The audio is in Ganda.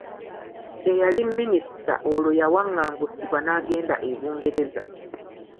Eyali Minisita olwo yawangangusibwa n'agenda e Bungereza.